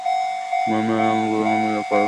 মিমি আর আমি দুজনে মিলে করেছি।